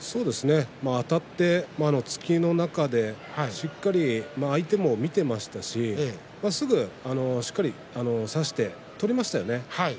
あたって突きの中でしっかり相手も見ていましたししっかり差して取りましたよね。